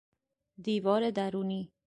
دیوار درونی